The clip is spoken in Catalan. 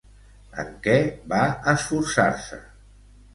En què va esforçar-se?